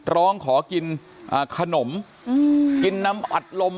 ร้องขอกินขนมกินน้ำอัดลม